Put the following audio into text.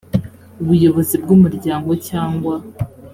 ubuyobozi bw umuryango cyangwa